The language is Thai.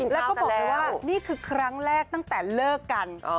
แล้วก็บอกเลยว่านี่คือครั้งแรกตั้งแต่เลิกกัน